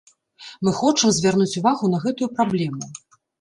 Мы хочам звярнуць увагу на гэтую праблему.